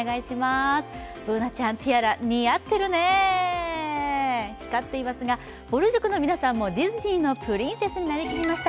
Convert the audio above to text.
Ｂｏｏｎａちゃん、ティアラ似合ってるね、光っていますがぼる塾の皆さんもディズニーのプリンセスになりきりました。